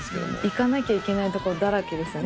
行かなきゃいけない所だらけですね。